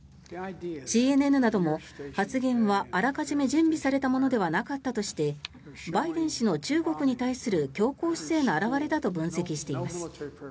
ＣＮＮなども、発言はあらかじめ準備されたものではなかったとしてバイデン氏の中国に対する強硬姿勢の表れだと分析しています。